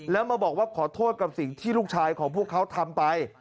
แล้วมาบอกว่าขอโทษกับสิ่งที่ลูกชายของพวกเขาทำไป